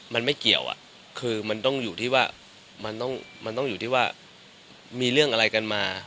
มันไม่เกี่ยวคือมันต้องอยู่ที่ว่ามันต้องอยู่ที่ว่ามีเรื่องอะไรกันมา